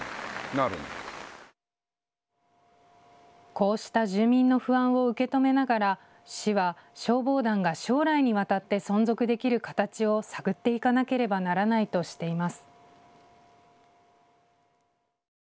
こうした住民の不安を受け止めながら市は消防団が将来にわたって存続できる形を探っていかなければならないとしています。